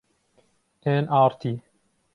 ئێن ئاڕ تی